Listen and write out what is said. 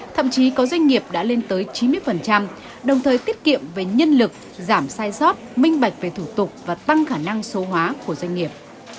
thậm chí có doanh nghiệp đã lên tới chín mươi đồng thời tiết kiệm về nhân lực giảm sai sót minh bạch về thủ tục và tăng khả năng số hóa của doanh nghiệp